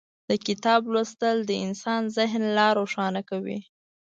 د کتاب لوستل د انسان ذهن لا روښانه کوي.